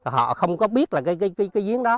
họ không có biết là cái giếng đó